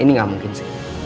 ini gak mungkin sih